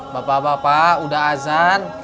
bapak bapak udah azan